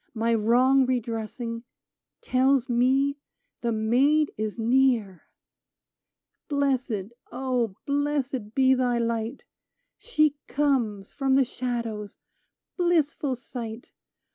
My wrong redressing, Tells me the Maid is near ! Blessed, O blessM, be thy light ! She comes from the shadows — blissful sight